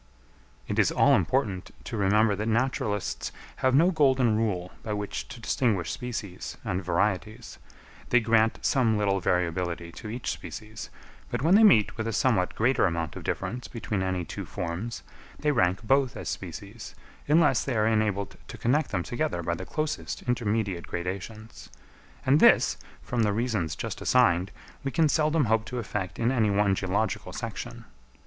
It is all important to remember that naturalists have no golden rule by which to distinguish species and varieties; they grant some little variability to each species, but when they meet with a somewhat greater amount of difference between any two forms, they rank both as species, unless they are enabled to connect them together by the closest intermediate gradations; and this, from the reasons just assigned, we can seldom hope to effect in any one geological section.